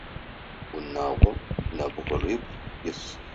Унагъом нэбгырибгъу ис.